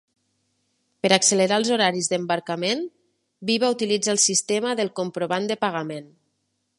Per accelerar els horaris d'embarcament, Viva utilitza el sistema del "comprovant de pagament".